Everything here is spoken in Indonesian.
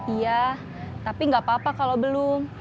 iya tapi nggak apa apa kalau belum